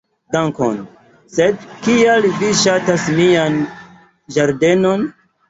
"Dankon. Sed kial vi ŝatas mian ĝardenon?"